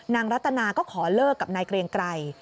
รัตนาก็ขอเลิกกับนายเกรียงไกร